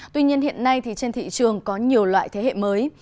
tuy nhiên hiện nay thì trên thị trường có nhiều loại thế hệ mới